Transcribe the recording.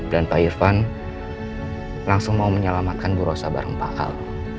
dan pak irfan langsung mau menyelamatkan bu rosa bareng pak al